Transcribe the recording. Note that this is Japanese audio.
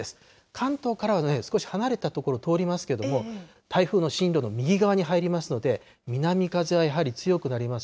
関東からは少し離れた所を通りますけれども、台風の進路の右側に入りますので、南風はやはり強くなります。